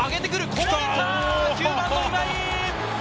９番の今井！